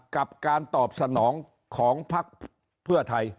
กับการตอบสนองของพักเพื่อไทย